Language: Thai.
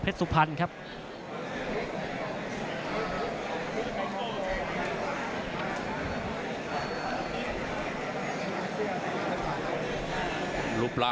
นักมวยจอมคำหวังเว่เลยนะครับ